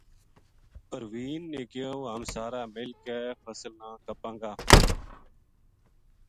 پروین نے کہیو ہم سارا مل کے فصل نا کَپاں گا